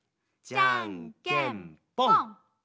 じゃんけんぽん！